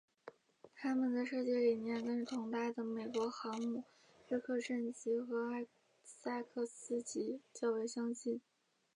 它们的设计理念跟同代的美国航母约克镇级和艾塞克斯级较为相近。